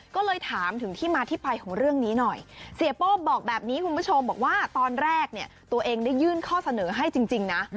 ก็เลยถามถึงที่มาที่ไปของเรื่องนี้หน่อยเสียโป้บอกแบบนี้คุณผู้ชมบอกว่าตอนแรกเนี่ยตัวเองได้ยื่นข้อเสนอให้จริงนะ